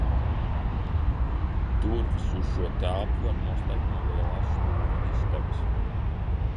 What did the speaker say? Durvis uz šo telpu var noslēgt no lielās stūra istabas.